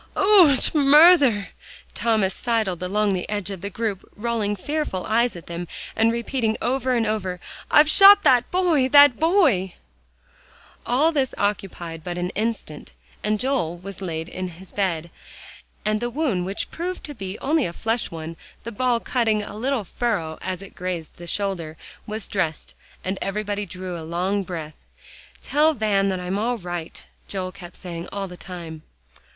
"Och, murther!" Thomas sidled along the edge of the group, rolling fearful eyes at them, and repeating over and over, "I've shot that boy that boy!" All this occupied but an instant, and Joel was laid on his bed, and the wound which proved to be only a flesh one, the ball cutting a little furrow as it grazed the shoulder, was dressed, and everybody drew a long breath. "Tell Van that I'm all right," Joel kept saying all the time.